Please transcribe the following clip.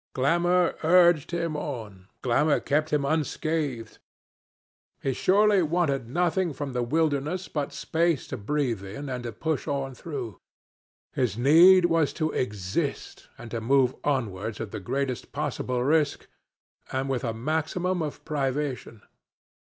Glamour urged him on, glamour kept him unscathed. He surely wanted nothing from the wilderness but space to breathe in and to push on through. His need was to exist, and to move onwards at the greatest possible risk, and with a maximum of privation.